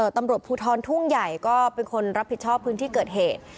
ตำรวจภูทรทุ่งใหญ่ก็เป็นคนรับผิดชอบพื้นที่เกิดเหตุ